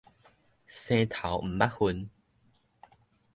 生頭毋捌份